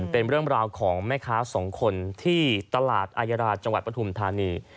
เป็นเรื่องราวของแม่ค้าสองคนที่ตลาดอายราชจังหวัดปฐุมธานี